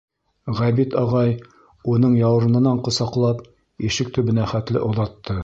Ғәбит ағай, уның яурынынан ҡосаҡлап, ишек төбөнә хәтле оҙатты.